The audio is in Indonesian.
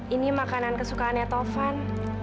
ini makanan kesukaannya tovan